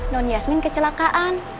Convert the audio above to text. non yasmin kecelakaan